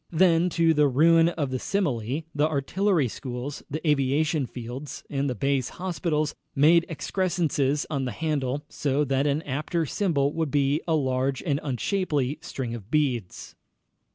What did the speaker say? Then, to the ruin of the simile, the artillery schools, the aviation fields, and the base hospitals made excrescences on the handle, so that an apter symbol would be a large and unshapely string of beads.